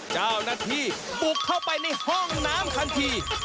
เจ้าหน้าที่บุกเข้าไปในห้องน้ำทันที